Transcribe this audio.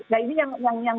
nah ini yang